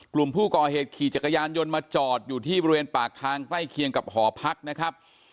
กลุ่มผู้ก่อเหตุขี่จักรยานยนต์มาจอดอยู่ที่บริเวณปากทางใกล้เคียงกับหอพักนะครับ